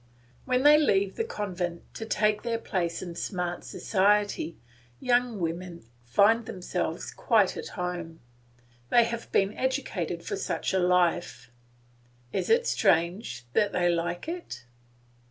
When they leave the convent to take their place in smart society, young women find themselves quite at home. They have been educated for such a life; is it strange that they like it?